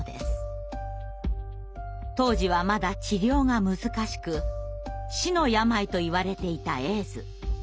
当時はまだ治療が難しく死の病といわれていたエイズ。